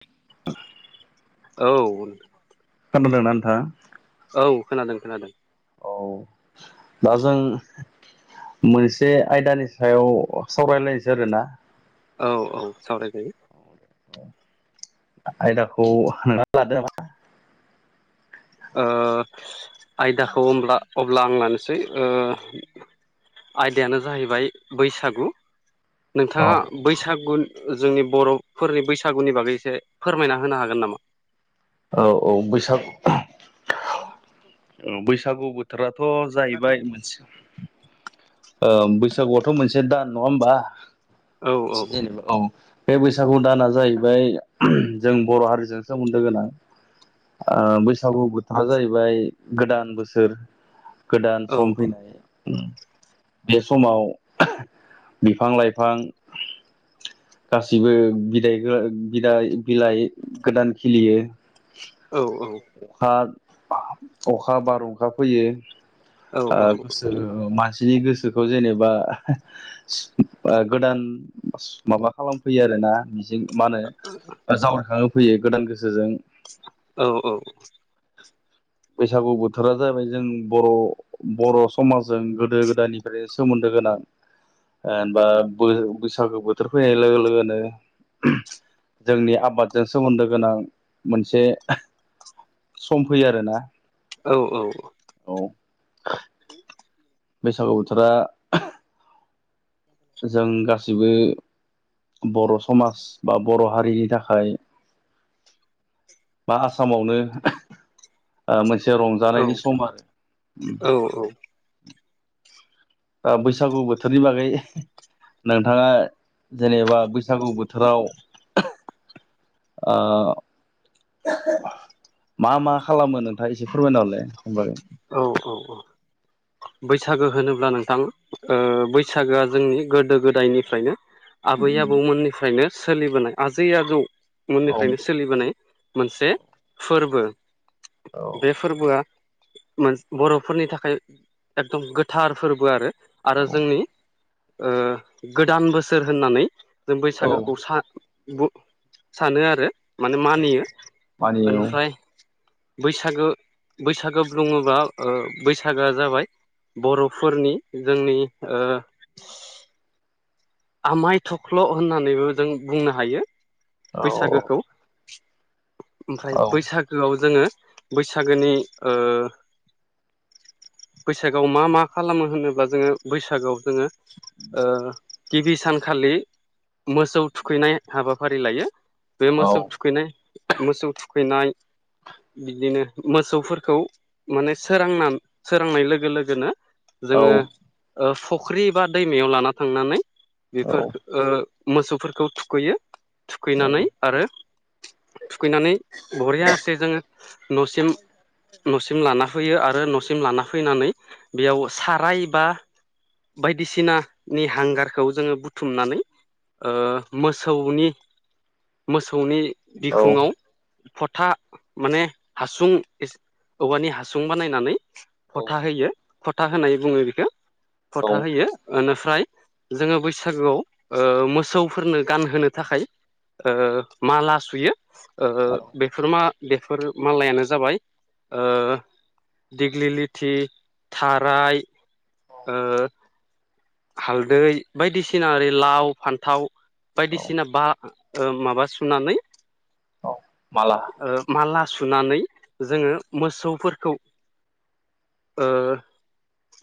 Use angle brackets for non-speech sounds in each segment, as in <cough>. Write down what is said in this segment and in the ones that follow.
औ फोरोंनानै थाङा औ खोनादों खोनादों औ दा जों मोनसे आयदानि सायाव सावरायलायनोसै आरोना औ औ सावरायखायो आयदाखौ <unintelligible> ना लादो नामा आयदाखौ होनब्ला अब्ला आं लानोसै आयदायानो जाहैबाय बैसागु औ नोंथाङा बैसागु जोंनि बर'फोरनि बैसागुनि बागै एसे फोरमायना होनो हागोन नामा? औ औ बैसागु औ बैसागु बोथोरा थ' जाहैबाय मोनसे बैसागुवाथ' मोनसे दान नङा होमबा औ औ मोनसे जेनेबा औ बे बैसागु दाना जाहैबाय जों बर' हारिजों सोमोन्दो गोनां बैसागु बोथोरा जाहैबाय गोदान बोसोर गोदान औ सम फैनाय बे समाव बिफां लाइफां गासिबो बिलाइ <unintelligible> बिलाइ गोदान खिलियो औ औ अखा बार अखा फैयो औ गोसो <unintelligible> नि गोसोखौ जेनेबा गोदान माबा खालामफैयो आरोना मिजिं मा होनो जावरायखांहो फैयो गोदान गोसोजों औ औ बैसागु बोथोरा जाबैाय जों बर' बर' समाजजों गोदो गोदायनिफ्राय सोमोन्दो गोनां जेनबा बैसागो बोथोर फैनाय लोगो लोगोनो जोंनि आबादजों सोमोन्दो गोनां मोनसे सम फैयो आरोना औ औ औ बैसागु बोथोरा जों गासिबो बर' समाज बा बर' हारिनि थाखाय मा आसामावनो मोन से रंजानायनि सम आरो बैसागु बोथोरनि बागै नोंथाङा जेनेबा बैसागु बोथोराव <unintelligible> मा मा खालामो नोंथाङा एसे फोरमायना हरलाय बागै औ औ औ बै सागो होनोब्ला नोंथां बैसागोआ जोंनि गोदो गोदायनिफ्रायनो आबै आबौमोननिफ्रायनो सोलिबोनाय आजै आजौ औ मोननिफ्रायनो सोलिबोनाय मोनसे फोरबो बे फोरबोआ मोन बर'फोरनि थाखाय एकदम गोथार फोरबो आरो आरो औ जोंनि गोदान बोसोर होननानै जों औ बैसागोखौ सानो आरो माने औ मानियो मानियो ओनिफ्राय बैसागो बैसागो बुङोबा बैसागआ जाबाय बर'फोरनि जोंनि आमाय थख्ल' होननानैबो जों बुंनो हायो औ बैसागोखौ ओमफ्राय औ बैसागोआव जोङो बैसागोनि बैसागोआव मा मा खालामो होनोब्ला जोङो बैसागोआव जोङो ओ गिबि सानखालि मोसौ थुखैनाय हाबाफारि लायो बे औ मोसौ थुखैनाय मोसौ थुखैनाय बिदिनो मोसौफोरखौ माने सोरांना सोरांनाय लोगो लोगोनो औ जोङो ओ फख्रि बा दैमायाव लाना थांनानै औ बेफोर ओ मोसौफोरखौ थुखैयो थुखैनानै आरो थुखैनानै बरियासे जोङो न'सिम न'सिम लाना फैयो आरो न'सिम लाना फैनानै बेयाव साराय बा बायदिसिनानि हांगार खौ जोङो बुथुमनानै ओ मोसौनि मोसौनि बिखुङाव फथा माने हासुं औवानि हासुं बानायनानै फथा होयो फथा होनाय बुङो बेखौ औ फथा होयो ओनिफ्राय जोङो बैसागुआव ओ मोसौफोरनो गानहोनो थाखाय ओ माला सुयो ओ बेफोर मा बेफोर मालायानो जाबाय ओ दिग्लि लिथि थाराय ओ हालदै बायदिसिना ओरै लाव फान्थाव औ बायदिसिना बा माबा सुनानै औ माला ओ माला सुनानै जोङो मोसौफोरखौ ओ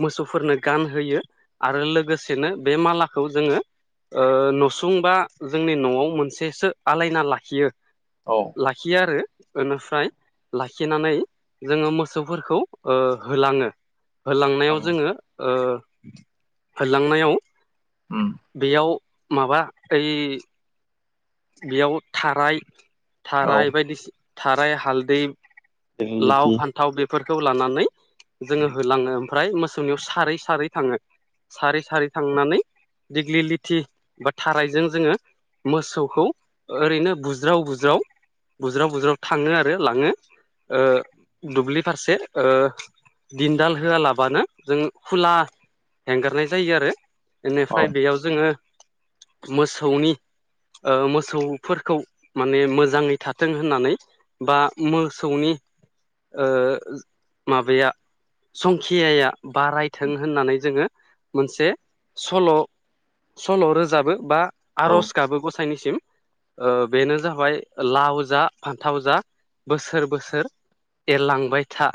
मोसौफोरनो गानहोयो आरो लोगोसेनो बे मालाखौ जोङो ओ नसुंबा जोंनि न'आव औ मोनसेसो आलायना लाखियो लाखियो आरो ओनिफ्राय लाखिनानै जोङो मोसौफोरखौ होलाङो औ होलांनायाव जोङो ओ होलांनायाव उम बेयाव माबा ओइ बेयाव थाराय औ थाराय बायदिसि थाराय हालदै लाव दिग्लिलिथि फान्थाव बेफोरखौ लानानै जोङो होलाङो ओमफ्राय मोस सौनियाव सारै सारै थाङो सारै सारै थांनानै दिग्लि लिथि बा थारायजों जोङो मोसौ खौ ओरैनो बुज्राव बुज्राव बुज्राव बुज्राव थाङो आरो लाङो ओ दुब्लि फारसे ओ दिनदाल होआलाबानो जों खुला एंगारनाय जायो आरो औ एनिफ्राय बेयाव जोङो मोसौनि ओ मोसौफोरखौ माने मोजाङै थाथों होननानै बा मोसौनि ओ माबाया संखियाया बारायथों होननानै जोङो मोनसे सल' सल' रोजाबो बा औ आर'ज गाबो गसा साइनिसिम ओ बेनो जाबाय लाव जा फान्थाव जा बोसोर बोसोर एरलांबाय था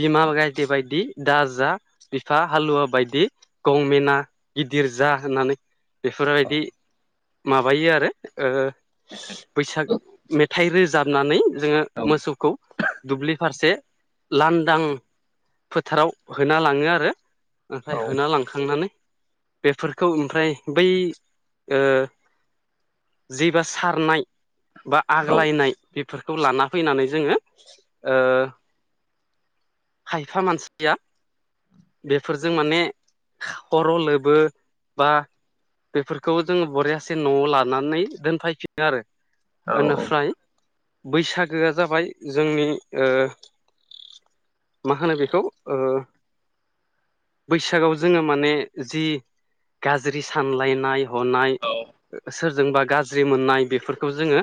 बिमा गायदे बायदि दा जा बिफा हालुवा बायदि गंमेना गिदिर जा होननानै बेफोरबायदि माबायो आरो ओ बैसाग मे थाइ रोजाबनानै जोङो औ मोसौखौ दुब्लि फारसे लान्दां फोथाराव होना लाङो आरो औ ओमफ्राय होना लांखांनानै बेफोरखौ ओमफ्राय बै ओ जैबा सारनाय बा औ आग्लायनाय बे फोरखौ लाना फैनानै जोङो ओ खायफा मानसिया बेफोरजों माने खर' लोबो बा बेफोरखौ जोङो बरियासे न'आव लादों नानै दोनफायफिनो आरो औ बेनिफ्राय बैसागोआ जाबाय जोंनि ओ मा होनो बेखौ बैसागोवाव जोङो माने जि गाज्रि सानलायनाय हनाय सोरजोंबा गाज्रि मोननाय बेफोरखौ जोङो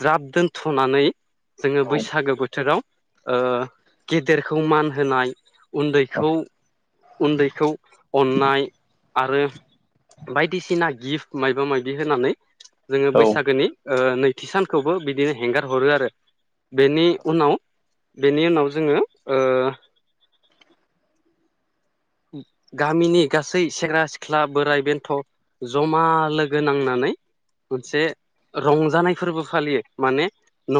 ज्राब दोनथ'नानै जोङो बैसागो बोथोराव ओ गेदेरखौ मान होनाय उन्दैखौ उन्दैखौ अननाय आरो बायदिसिना गिफ्ट मायबा मायाबि होनानै जोङो औ बैसागोनि ओ नैथि सानखौबो बिदिनो हेंगार हरो आरो बेनि उनाव बेनि उनाव जोङो ओ गामिनि गासै सेंग्रा सिख्ला बोराइ बेन्थ' जमा लोगो नांनानै मोनसे रंजानाय फोरबो फालियो माने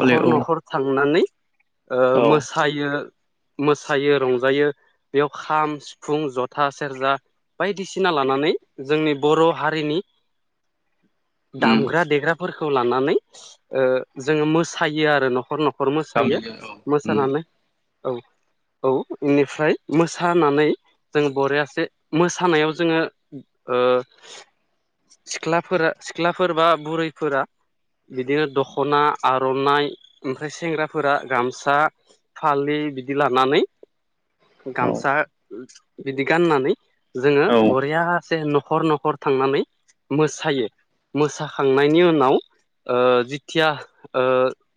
हले औ न'खर थांनानै ओ औ मोसायो मोसायो रंजायो बेयाव खाम सि फुं जथा सेरजा बायदिसिना लानानै जोंनि बर' हारिनि उम दामग्रा देग्राफोर खौ लानानै ओ जोङो मोसायो आरो न'खर न'ख खर मोसायो गामिजों औ उम मोसानानै औ औ बेनिफ्राय मोसानानै जों बरेयासे मोसानायाव जोङो ओ सिख्लाफोरा सिख्लाफोर बा बुरैफोरा बिदिनो दख'ना आर'नाइ ओमफ्राय सेंग्राफोरा गामसा फालि बिदि लानानै औ गामसा बिदि गाननानै जोङो औ बरियासे न खर नखर थांनानै मोसायो मोसाखांनायनि उनाव ओ जिथिया ओ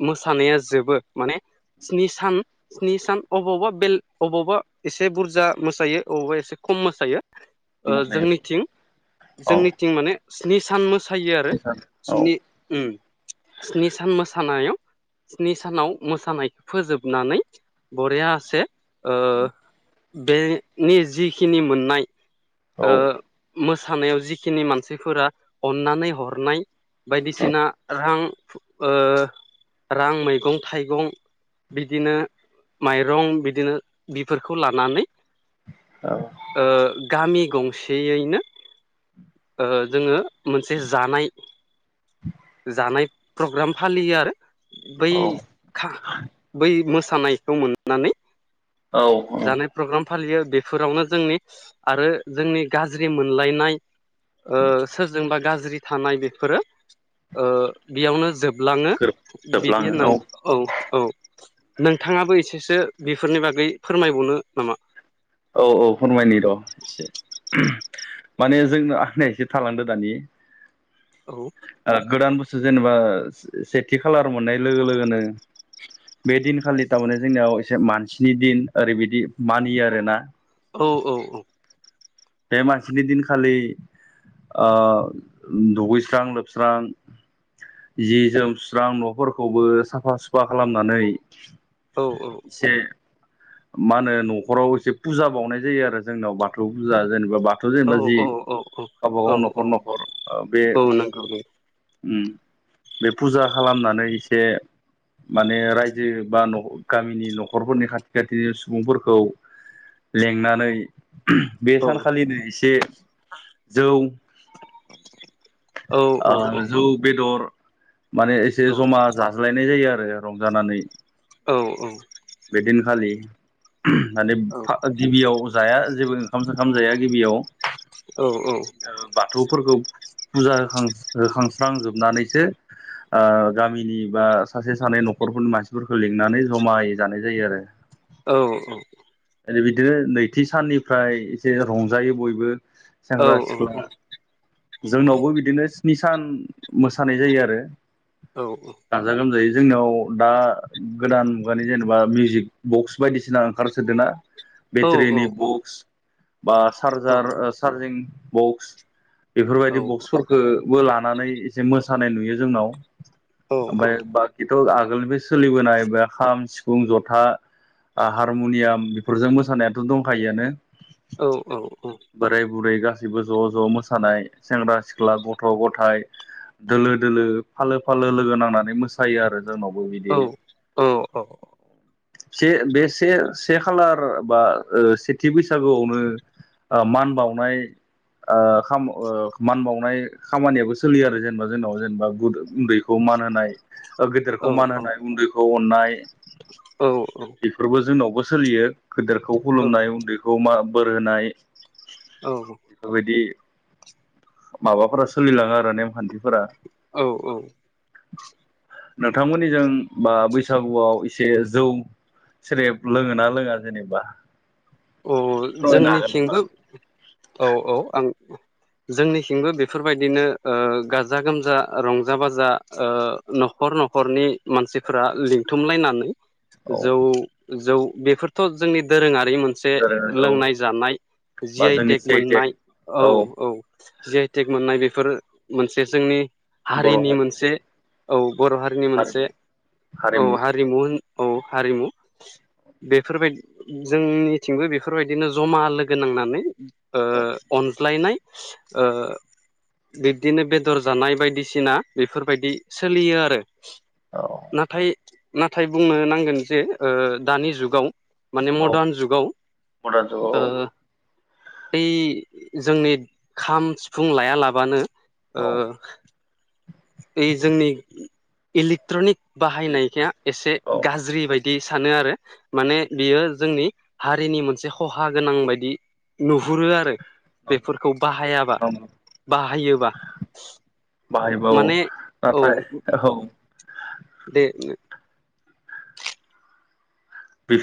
मोसानाया जोबो माने स्नि सान स्नि सान अबावबा बेल अबावबा एसे बुरजा मोसायो अबेबा एसे खम मोसायो ओ मोसायो जोंनिथिं औ जोंनिथिं माने स्नि सान मोसायो आरो इसान औ स्नि उम सान मोसानायाव स्नि सानाव मोसानायखौ फोजोबनानै बरेयासे ओ बेनि जिखिनि मोननाय औ मो सानायाव जिखिनि मानसिफोरा अन्नानै हरनाय बायदिसिना रां ओ रां मैगं थाइगं बिदिनो माइरं बिदिनो बिफोरखौ लानानै औ ओ गामि गंसेयैनो ओ जोङो मोनसे जानाय जानाय प्रग्राम फालियो आरो। बै औ खा बै मोसानायखौ मोननानै औ औ जानाय प्रग्राम फालियो बेफोरावनो जोंनि आरो जोंनि गाज्रि मोनलायनाय ओ सोरजोंबा गाज्रि थानाय बेफोरो ओ बेयावनो जोब लाङो बिदि होननानै औ औ नोंथाङाबो एसेसो बेफोरनि बागै फोरमायबावनो नामा? औ औ फोरमायनि र' एसे। <inaudible> माने जोंनो आंनि एसे थालांदो दानि औ ओ गोदान बुस्थु जेनेबा सेथि खालार मोननाय लोगो लोगोनो बे दिनखालि थारमाने जोंनियाव एसे मानसिनि दिन ओरैबायदि मानियो आरोना औ औ औ बे मानसिनि दिन खालि ओ दुगैस्रां लोबस्रां जि जोम सुस्रां न'फोरखौबो साफा सुफा खालामनानै औ एसे मा होनो न'खराव एसे फुजा बावनाय जायो आरो जोंनाव बाथौ फुजा जेनेबा बाथौ बाथौ जेनेबा जि औ औ गावबा औ गाव न'खर औ न'खर ओ बे औ नंगौ औ बे फुजा खालामनानै एसे माने रायजो बा गामिनि न'खरफोरनि खाथि खथि सुबुंफोरखौ लेंनानै बे सानखालिनो एसे जौ औ औ जौ बेदर माने एसे औ जमा जाज्लायनाय जायो आरो रंजानानै औ - औ खालि माने गिबियाव जाया जेबो ओंखाम सोमखाम जाया गिबियाव औ बाथौफोरखौ फुजा होखां होखांस्रांजोबनानैसो गामिनि बा सासे सानै न'खरफोरनि मानसिफोरखौ लिंनानै जमाय जानाय जायो आरो औ - औ ओै बिदिनो नैथि साननिफ्राय एसे रंजायो बयबो सेंग्रा सिख्ला जोंनावबो बिदिनो सि सान मोसानाय जायो आरो गाजा गोमजायै जोंनियाव दा गोदान मुगानि जेनेबा मिउजिक बक्स बायदिसिना ओंखारसोदों ना बेथ्रिनि औ बुक्स बा चारजार चार्जिं बक्स बेफोरबायदि बक्सफोरफोरखौबो लानानै मोसानाय नुयो जोंनाव ओमफ्राय बाखिथ' आगोलनिफ्राय सोलिबोनाय बे खाम सिफुं जथा हारमुनियाम बेफोरजों मोसानायाथ' दंखायोआनो औ - औ - औ गाैबो ज' ज' मोसानाय सेंग्रा सिख्ला गथ' गथाय दोलो दोलो फालो फालो लोगो नांनानै मोसायो आरो जोंनावबो औ बिदिनो - औ - औ से बे से से खालार बा सेथि बैसागोआवनो मान बावनाय मान बावनाय खामानियाबो सोलियो आरो जेनेबा जोंनाव जेनेबा उन्दैखौ मान होनाय गेदेरखौ औ मान होनाय उन्दैखौ अननाय औ - औ बेफोरबो जोंनावबो सोलियो गेदेरखौ खुलुमनाय उन्दैखौ मा बोर होनाय औ बेखौफोर बायदि माबाफोरा सोलिलांङो आरो नेमखान्थिफोरा औ - औ नोंथांमोननिजों बा बैसागुआव एसे जौ सेरेब लोङोना लोङां जेनेबा औ एसे फोरमायनो हागोन नामा जोंनिथिंबो औ - औ आं जोंनिथिंबो बेफोरबायदिनो गाजा गोमजा रंजा बाजा न'खर न'खर न'खरनि मानसिफोरा लिंथुमलायनानै जौ - जौ बेफोरथ' जोंनि दोरोंङारि मोनसे औ औ लोंनाय जानाय जि बा आइ जोंनि टेक सि मोननाय औ - औ जि आइटेक मोननाय बेफोर मोनसे जोंनि हारिनि मोनसे औ बर' हारिनि हारिमु मोनसे औ हारिमु होन औ हारिमु बेफोरबाय जोंनि बेफोरबायदिनो जमा लोगो नांनानै औ अनज्लायनाय बिब्दिनो बेदर जानाय बायदिसिना बेफोरबायदि सोलियो आरो औ नाथाय नाथाय बुंनो नांगोन जे दानि जुगाव माने औ मर्डान जुगाव <unintelligible> ओ औ बै जोंनि खाम सिफुं लाया लाबानो ओ। औ ओइ जोंनि इलेक्ट्रनिक बाहायनाया इसे इलेक्ट्रनिक औ गाज्रि बायद--। बिदि सानो आरो माने बियो जोंनि हारिनि मोनसे खहा गोनां बायदि। नुहुरो आरो नंगौ बेफोरखौ बाहायाबा। नंगौ बाहायोबा। बाहायबा औ माने औ नाथाय औ दे। बे